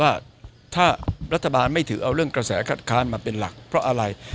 ว่าถ้ารัฐบาลไม่ถือเอาเรื่องกระแสคัดค้านมาเป็นหลักเพราะอะไร